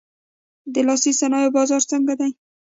د لاسي صنایعو بازار څنګه دی؟